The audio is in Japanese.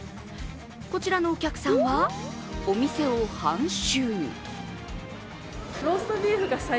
こちらのお客さんはお店を半周。